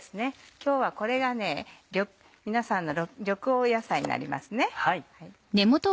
今日はこれが皆さんの緑黄野菜になりますね。